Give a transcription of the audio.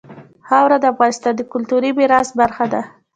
خاوره د افغانستان د کلتوري میراث برخه ده.